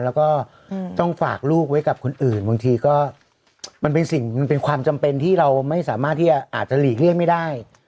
แล้วก็ต้องฝากลูกไว้กับคนอื่นบางทีก็มันเป็นสิ่งเป็นความจำเป็นที่เราไม่สามารถที่อาจจะหลีกเลี่ยงไม่ได้